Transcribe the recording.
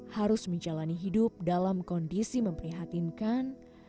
harus menjalani hidup dalam kondisi memprihatinkan